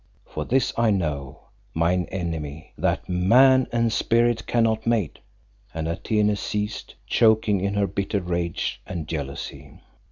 For this I know, mine enemy, that man and spirit cannot mate," and Atene ceased, choking in her bitter rage and jealousy.